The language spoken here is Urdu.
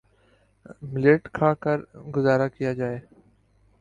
ملیٹ کھا کر گزارہ کیا جائے